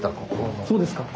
そうですか。